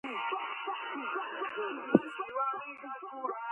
ახასიათებთ მეორეული რადიალური სიმეტრია, კიროვანი ჩონჩხი და ამბულაკრული სისტემა.